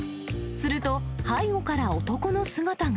すると、背後から男の姿が。